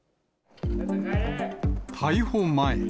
逮捕前。